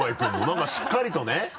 何かしっかりとね